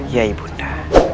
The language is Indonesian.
ya ibu nda